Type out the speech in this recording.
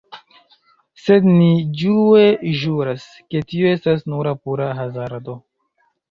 Sed ni ĝue ĵuras, ke tio estas nura pura hazardo.